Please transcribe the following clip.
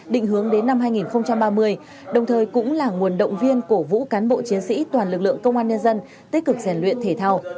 định hướng đến năm hai nghìn ba mươi đồng thời cũng là nguồn động viên cổ vũ cán bộ chiến sĩ toàn lực lượng công an nhân dân tích cực rèn luyện thể thao